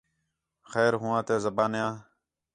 خیر ہو آنتیاں زبانیاں